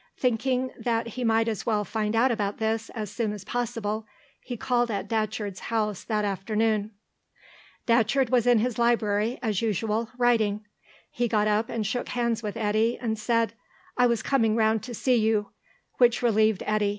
Thinking that he might as well find out about this as soon as possible, he called at Datcherd's house that afternoon. Datcherd was in his library, as usual, writing. He got up and shook hands with Eddy, and said, "I was coming round to see you," which relieved Eddy.